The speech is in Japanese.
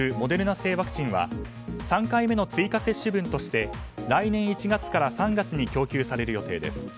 製ワクチンは３回目の追加接種分として来年１月から３月に供給される予定です。